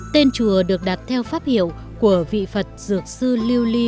tên chùa được đặt theo pháp hiệu của vị phật dược sư liêu ly